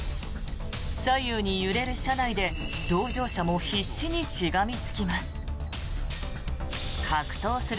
左右に揺れる車内で同乗者も必死にしがみつきます。